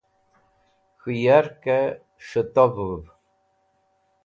K̃hũ yarkẽ s̃hẽtovũv